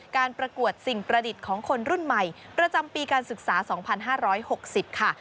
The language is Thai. ประกวดสิ่งประดิษฐ์ของคนรุ่นใหม่ประจำปีการศึกษา๒๕๖๐ค่ะ